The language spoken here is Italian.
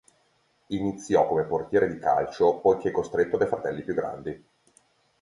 Iniziò come portiere di calcio poiché costretto dai fratelli più grandi.